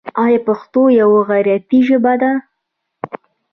آیا پښتو یوه غیرتي ژبه نه ده؟